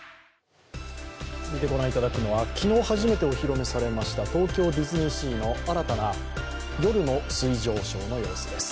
見てご覧いただくのは、昨日初めてお披露目されました東京ディズニーシーの新たな夜の水上ショーの様子です。